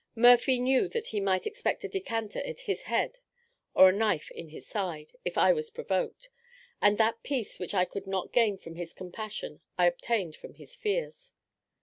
Murphy knew that he might expect a decanter at his head or a knife in his side, if I was provoked; and that peace which I could not gain from his compassion, I obtained from his fears.